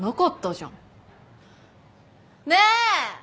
ねえ！